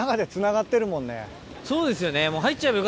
そうですよねもう。